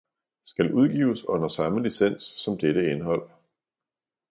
Skal udgives under samme licens som dette indhold.